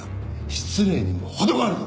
失礼にも程があるぞ！